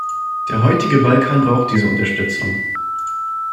Der heutige Balkan braucht diese Unterstützung.